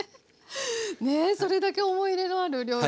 ねえそれだけ思い入れのある料理で。